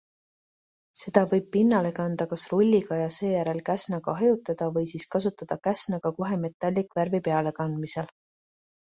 Seda võib pinnale kanda kas rulliga ja seejärel käsnaga hajutada või siis kasutada käsna ka kohe metallikvärvi pealekandmisel.